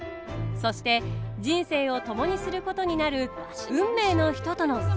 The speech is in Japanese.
そして人生を共にすることになる運命の人との再会。